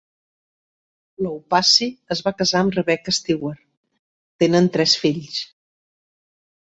Loupassi es va casar amb Rebecca Stewart; tenen tres fills.